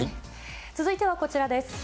続いてはこちらです。